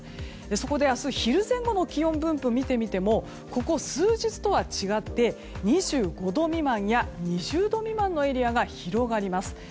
そこで明日昼前後の気温分布を見てみてもここ数日とは違って２５度未満や２０度未満のエリアが広がります。